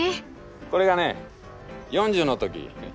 これがね４０の時。